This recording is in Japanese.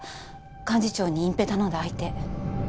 幹事長に隠蔽頼んだ相手。